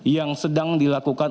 yang sedang dilakukan